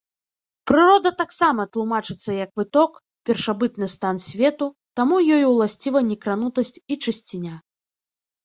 Прырода таксама тлумачыцца як выток, першабытны стан свету, таму ёй уласціва некранутасць і чысціня.